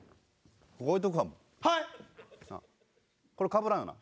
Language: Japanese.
これかぶらんよな？